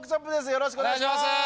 よろしくお願いします